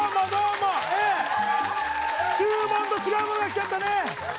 注文と違うのが来ちゃったね！